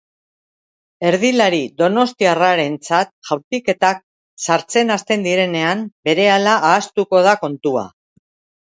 Erdilari donostiarrarentzat jaurtiketak sartzen hasten direnean berehala ahaztuko da kontua.